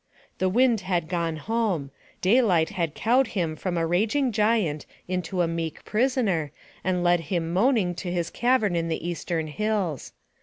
The wind had gone home; day light had cowed him from a raging giant into a meek prisoner, and led him moaning to his cavern in the eastern hills.